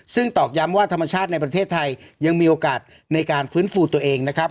ซึ่งตอกย้ำว่าธรรมชาติในประเทศไทยยังมีโอกาสในการฟื้นฟูตัวเองนะครับ